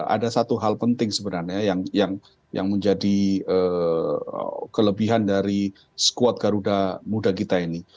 ada satu hal penting sebenarnya yang menjadi kelebihan dari skuad garuda muda kita ini